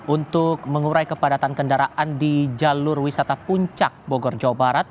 untuk mengurai kepadatan kendaraan di jalur wisata puncak bogor jawa barat